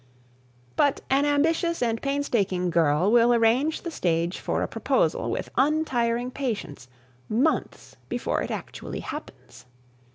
But an ambitious and painstaking girl will arrange the stage for a proposal, with untiring patience, months before it actually happens.